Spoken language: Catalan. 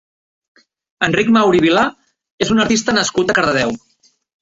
Enric Maurí Vila és un artista nascut a Cardedeu.